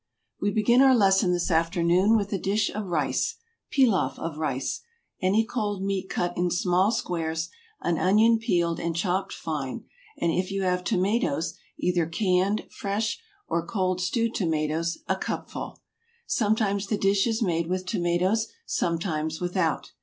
We begin our lesson this afternoon with a dish of rice, piloff of rice, any cold meat cut in small squares, an onion peeled and chopped fine, and if you have tomatoes, either canned, fresh, or cold stewed tomatoes, a cupful. Sometimes the dish is made with tomatoes, sometimes without.